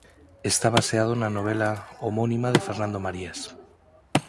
Está baseado na novela homónima de Fernando Marías.